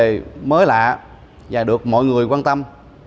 vấn đề mới lạ và được mọi người quan tâm